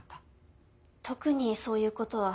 特にそういう事は。